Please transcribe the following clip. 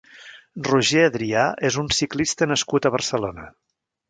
Roger Adrià és un ciclista nascut a Barcelona.